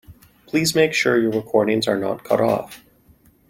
Please make sure your recordings are not cut off.